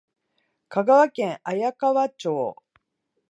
香川県綾川町